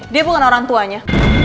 dia bukan orang tuanya